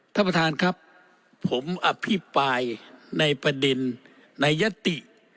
ท่านประธานครับผมอภิปรายในประเด็นในยติ